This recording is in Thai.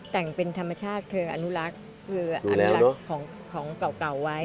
แต่งเป็นธรรมชาติคืออันนูรักคืออันนูรักของของเก่า